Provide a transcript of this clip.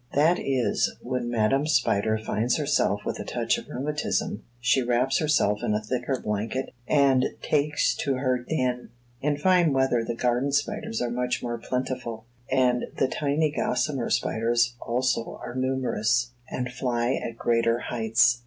That is, when Madam Spider finds herself with a touch of rheumatism, she wraps herself in a thicker blanket and takes to her den. In fine weather the garden spiders are much more plentiful; and the tiny gossamer spiders also are numerous, and fly at greater heights.